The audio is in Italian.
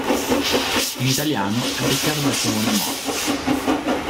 In italiano è doppiato da Simone Mori.